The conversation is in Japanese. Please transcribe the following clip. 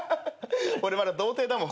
俺まだ童貞だもん。